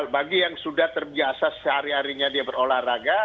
bagi yang sudah terbiasa sehari harinya dia berolahraga